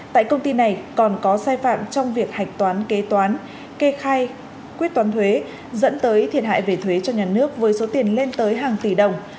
tại công ty này còn có sai phạm trong việc hạch toán kế toán kê khai quyết toán thuế dẫn tới thiệt hại về thuế cho nhà nước với số tiền lên tới hàng tỷ đồng